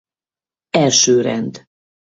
Első Rend